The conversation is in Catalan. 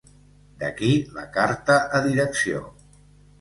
D'aquí, la carta a direcció.